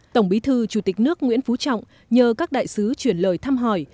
tổng bí thư chủ tịch nước nguyễn phú trọng nhờ các đại sứ chuyển lời thăm hỏi